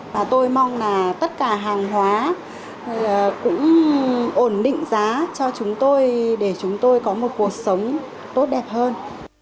và tôi mong là tất cả hàng hóa cũng ổn định giá cho chúng tôi để chúng tôi có một cuộc sống tốt đẹp hơn